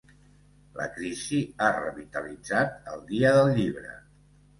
La crisi ha revitalitzat el dia del llibre.